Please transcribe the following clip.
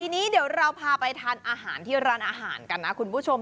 ทีนี้เดี๋ยวเราพาไปทานอาหารที่ร้านอาหารกันนะคุณผู้ชม